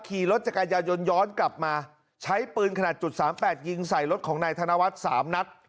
ขี่รถจักรยานยนต์ย้อนกลับมาใช้ปืนขนาด๓๘ยิงใส่รถของในธนวัฒน์๓นัด